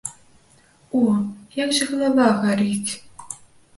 О, як жа галава гарыць.